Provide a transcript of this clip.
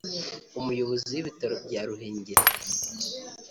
umuyobozi w’ibitaro bya Ruhengeri